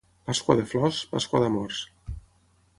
Pasqua de flors, pasqua d'amors.